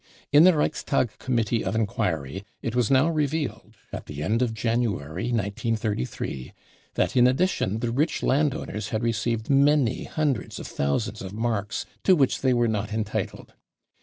In the Reichstag Committee of Enquiry it was now " revealed 3 at the end of January, 1933, that in addition die rich landowners had received many hundreds of thousands •* of marks u to which they were not entitled.